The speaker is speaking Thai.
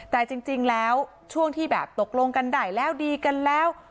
แต่จริงแล้วช่วงที่แบบตกลงกันได้แล้วดีกันแล้ว